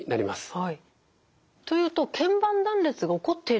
はい。